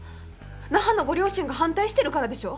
那覇のご両親が反対してるからでしょ？